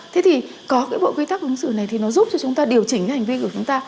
thế thì có cái bộ quy tắc ứng xử này thì nó giúp cho chúng ta điều chỉnh cái hành vi của chúng ta